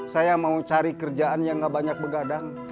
saya mau cari kerjaan yang gak banyak begadang